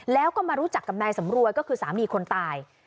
แล้วก็มารู้จักกับนายสำรวยก็คือสามีคนตาย